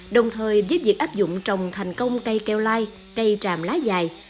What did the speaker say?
đồng thời giúp việc áp dụng trồng thành công cây keo lai cây tràm lá dài